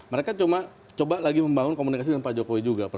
mereka coba lagi membangun komunikasi dengan pak jokowi juga